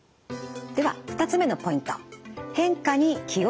では２つ目のポイント。